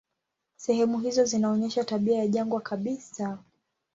Sehemu hizo zinaonyesha tabia ya jangwa kabisa.